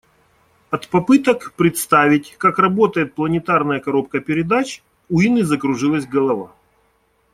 От попыток представить, как работает планетарная коробка передач, у Инны закружилась голова.